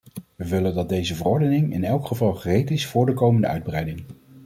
We willen dat deze verordening in elk geval gereed is voor de komende uitbreiding.